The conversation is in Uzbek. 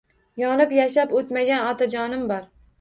Yonib yashab o’tmagan otajonim bor.